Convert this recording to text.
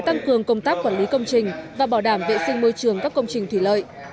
tăng cường công tác quản lý công trình và bảo đảm vệ sinh môi trường các công trình thủy lợi